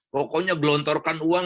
pokoknya belontorkan uang